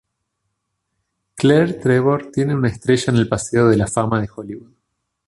Claire Trevor tiene una estrella en el Paseo de la Fama de Hollywood.